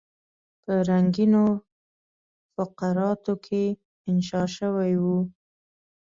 په رنګینو فقراتو کې انشا شوی وو.